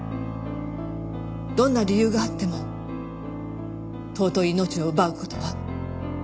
どんな理由があっても尊い命を奪う事は許されません。